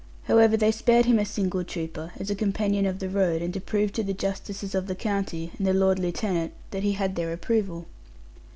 However, they spared him a single trooper, as a companion of the road, and to prove to the justices of the county, and the lord lieutenant, that he had their approval.